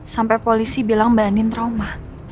sampai polisi bilang mbak nin trauma